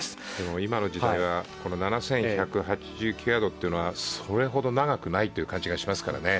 今の時代は７１８９ヤードはそれほど長くないという感じがしますからね。